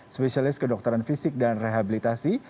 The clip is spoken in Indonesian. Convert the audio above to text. spesialis kedokteran fisik dan rehabilitasi